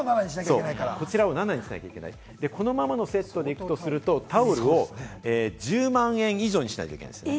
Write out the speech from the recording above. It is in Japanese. こちらを７にしないといけない、このままのセットで行くとするとタオルを１０万円以上にしないといけないんです。